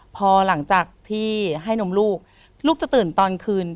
พอหลังจากที่ให้นมลูกลูกจะตื่นตอนคืน